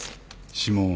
指紋は？